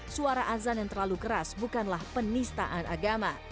suara azan yang terlalu keras bukanlah penistaan agama